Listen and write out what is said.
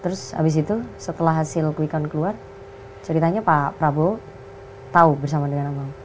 terus habis itu setelah hasil quick count keluar ceritanya pak prabowo tahu bersama dengan abang